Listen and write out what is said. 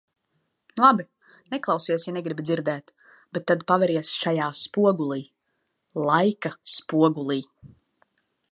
Labi, neklausies, ja negribi dzirdēt, bet tad paveries šajā spogulī, laika spogulī.